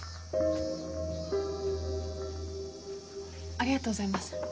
ありがとうございます。